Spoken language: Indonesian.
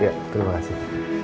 ya terima kasih